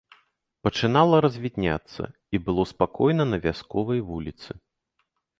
Пачынала развідняцца, і было спакойна на вясковай вуліцы.